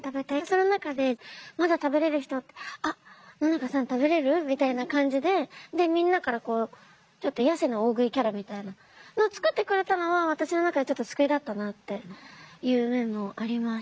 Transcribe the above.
その中で「まだ食べれる人？あっ野中さん食べれる？」みたいな感じでみんなからこう痩せの大食いキャラみたいなのをつくってくれたのは私の中でちょっと救いだったなっていう面もありましたね。